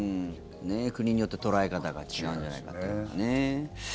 国によって捉え方が違うんじゃないかというね。